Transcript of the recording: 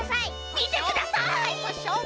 みてください！